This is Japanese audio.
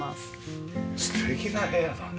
素敵な部屋だね。